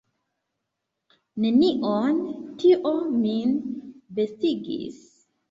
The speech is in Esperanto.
Nenion; tio min bestigis.